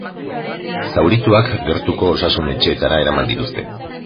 Zaurituak gertuko osasun-etxeetara eraman dituzte.